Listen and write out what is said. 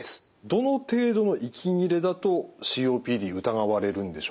どの程度の息切れだとＣＯＰＤ疑われるんでしょうか？